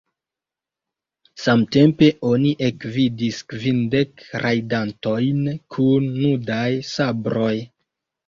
Samtempe oni ekvidis kvindek rajdantojn kun nudaj sabroj.